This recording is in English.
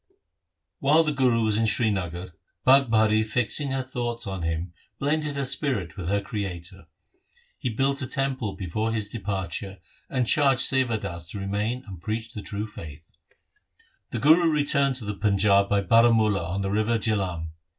While the Guru was in Srinagar, Bhagbhari fixing her thoughts on him blended her spirit with her Creator. He built a temple before his depar ture, and charged Sewa Das to remain and preach the true faith. The Guru returned to the Panjab by Baramula on the river Jihlam.